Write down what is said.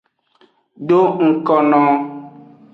Do ngkono.